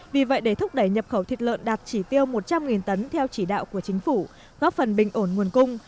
vì vậy để thúc đẩy nhập khẩu thịt lợn đạt chỉ tiêu một trăm linh tấn theo chỉ đạo của chính phủ góp phần bình ổn nguồn cung